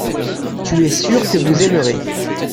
tu es sûr que vous aimerez.